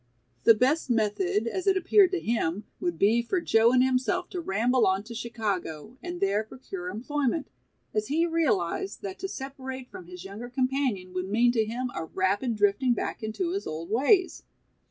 The best method as it appeared to him would be for Joe and himself to ramble on to Chicago and there procure employment, as he realized that to separate from his younger companion would mean to him a rapid drifting back into his old ways.